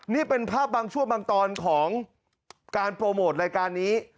นี่เป็นภาพบางช่วงบางตอนของการโปรโมทรายการนี้